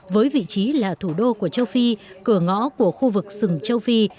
với vị trí là thủ đô của châu phi cửa ngõ của khu vực sừng châu phi